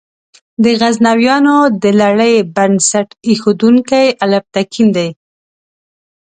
د غزنویانو د لړۍ بنسټ ایښودونکی الپتکین دی.